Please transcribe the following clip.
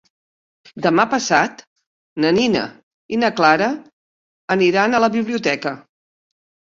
Demà passat na Nina i na Clara aniran a la biblioteca.